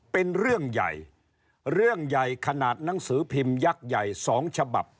เป็นเรื่องใหญ่เรื่องใหญ่ขนาดหนังสือพิมพ์ยักษ์ใหญ่สองฉบับ